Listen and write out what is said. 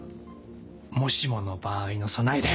もしもの場合の備えだよ。